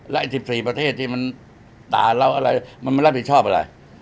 แล้วอันสิบสี่ประเทศที่มันต่าเราอะไรมันรับผิดชอบอะไร